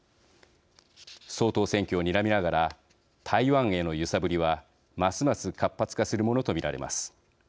総統選挙をにらみながら台湾への揺さぶりはますます活発化するものと見られます。